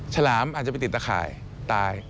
ฉลามอาจจะไปติดตะข่ายตาย